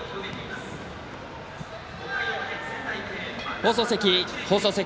放送席、放送席。